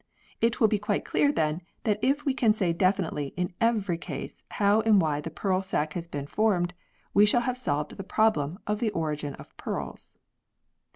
It will be quite clear then that if we can say definitely in every case how and why the pearl sac has been formed, we shall have solved the problem of the origin of pearls.